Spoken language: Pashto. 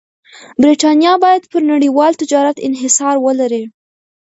برېټانیا باید پر نړیوال تجارت انحصار ولري.